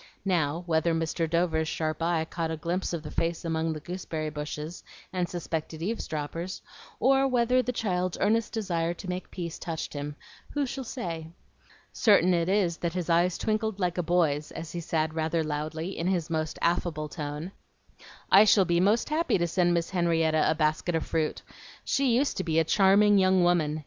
Now, whether Mr. Dover's sharp eye caught a glimpse of the face among the gooseberry bushes, and suspected eavesdroppers, or whether the child's earnest desire to make peace touched him, who shall say? Certain it is that his eyes twinkled like a boy's, as he said rather loudly, in his most affable tone, "I shall be most happy to send Miss Henrietta a basket of fruit. She used to be a charming young woman.